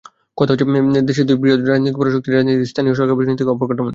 কথা হচ্ছে, দেশের দুই বৃহৎ রাজনৈতিক পরাশক্তির রাজনীতিতে স্থানীয় সরকারবিষয়ক নীতিকাঠামো নেই।